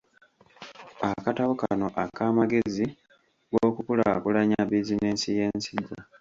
Akatabo kano ak’amagezi g’okukulaakulanya bizinensi y’ensigo.